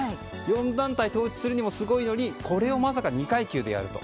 ４団体統一するのにもすごいのにこれをまさか２階級でやると。